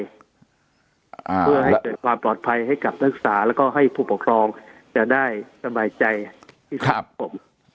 เพื่อให้เกิดความปลอดภัยให้กับนักศึกษาแล้วก็ให้ผู้ปกครองจะได้สบายใจที่สุดครับผม